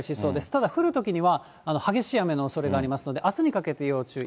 ただ降るときには、激しい雨のおそれがありますので、あすにかけて要注意。